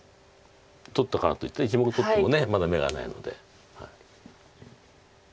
取ったからといって１目取ってもまだ眼がないので。